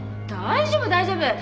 大丈夫大丈夫！